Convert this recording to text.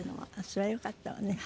それはよかったわね。